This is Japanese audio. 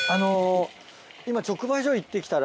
今直売所行って来たら。